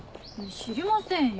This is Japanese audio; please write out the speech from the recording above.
知りませんよ。